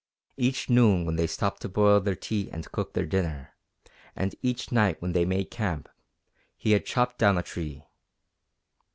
Each noon when they stopped to boil their tea and cook their dinner, and each night when they made camp, he had chopped down a tree.